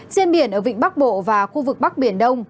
trên biển ở vịnh bắc bộ và khu vực bắc biển đông